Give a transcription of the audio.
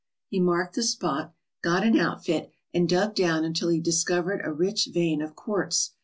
He marked the .spot, got an outfit, and dug down until he discovered a rich vein of quartz.